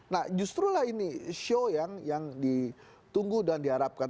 nah justru lah ini show yang ditunggu dan diharapkan